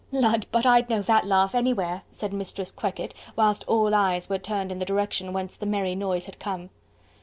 "Lud! but I'd know that laugh anywhere," said Mistress Quekett, whilst all eyes were turned in the direction whence the merry noise had come.